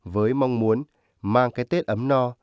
với mong muốn mang cái tết ấm no